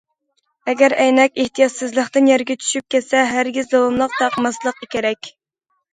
ئەگەر ئەينەك ئېھتىياتسىزلىقتىن يەرگە چۈشۈپ كەتسە، ھەرگىز داۋاملىق تاقىماسلىق كېرەك.